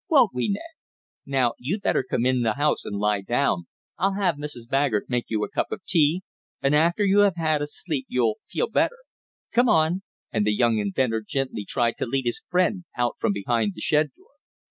Won't we, Ned? Now you'd better come in the house and lie down, I'll have Mrs. Baggert make you a cup of tea, and after you have had a sleep you'll feel better. Come on," and the young inventor gently tried to lead his friend out from behind the shed door.